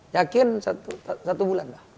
yakin satu bulan lah